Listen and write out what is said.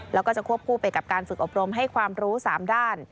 แล้วก็จะควบคู่ไปกับการฝึกอบรมให้ความรู้๓ด้าน